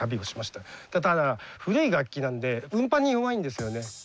ただ古い楽器なんで運搬に弱いんですよね。